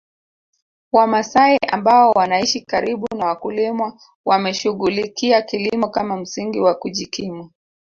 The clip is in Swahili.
Wamasai ambao wanaishi karibu na wakulima wameshughulikia kilimo kama msingi wa kujikimu